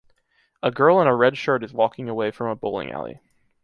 A girl in a red shirt is walking away from a bowling alley.